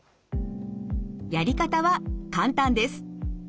やり方は簡単です。